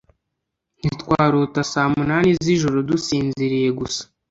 ntitwarota saa munani z’ijoro dusinziriye gusa